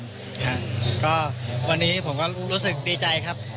ครับก็วันนี้ผมก็รู้สึกดีใจครับ